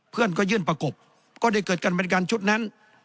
เพื่อนก็ยื่นประกบก็ได้เกิดการบริการชุดนั้น